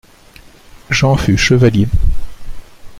Jean fut chevalier.